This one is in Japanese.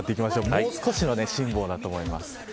もう少しの辛抱だと思います。